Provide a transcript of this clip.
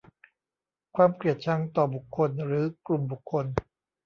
ความเกลียดชังต่อบุคคลหรือกลุ่มบุคคล